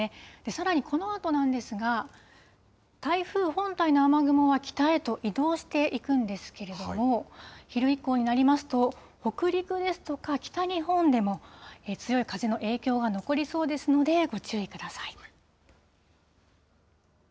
さらにこのあとなんですが、台風本体の雨雲は、北へと移動していくんですけれども、昼以降になりますと、北陸ですとか北日本でも、強い風の影響が残りそうですので、ご注意ください。